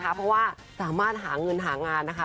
เพราะว่าสามารถหาเงินหางานนะคะ